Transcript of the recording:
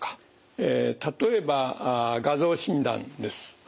例えば画像診断です。